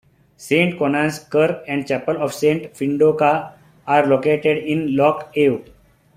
Saint Conan's Kirk and Chapel of Saint Fyndoca are located in Loch Awe.